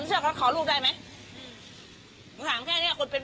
เฮ้ยมันก็ต้องหยิบมาอันนี้ใช่ป่ะแต่ก็ผ่านขอ